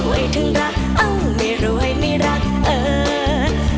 ถึงรักเอ้าไม่รวยไม่รักเอิญ